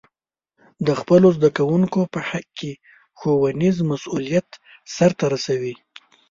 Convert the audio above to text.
د خپلو زده کوونکو په حق کې ښوونیز مسؤلیت سرته ورسوي.